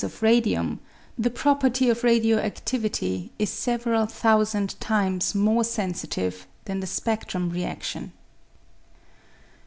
135 of radium, the property of radio aftivity is several thousand times more sensitive than the spedtrum readtion.